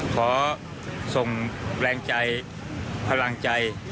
ขอส่งแรงใจพลังใจ